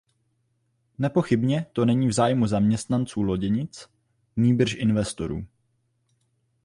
Nepochybně to není v zájmu zaměstnanců loděnic, nýbrž investorů.